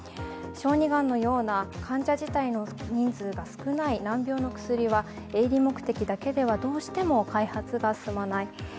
小児がんのような患者自体の人数が少ない難病の薬は営利目的だけではどうしても開発が進まない。